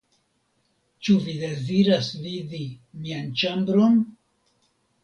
Ĉu vi deziras vidi mian ĉambron?